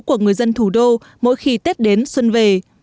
của người dân thủ đô mỗi khi tết đến xuân về